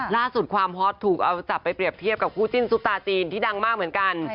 ล่าสุดความฮอตถูกเอาจับไปเรียบเทียบกับคู่จิ้นซุปตาจีนที่ดังมากเหมือนกัน